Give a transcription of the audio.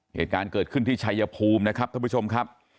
เหตุการณ์เกิดขึ้นที่ชัยภูมินะครับท่านผู้ชมครับ